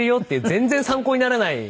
全然参考にならない。